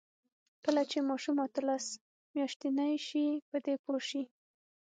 کله چې ماشوم اتلس میاشتنۍ شي، په دې پوه شي.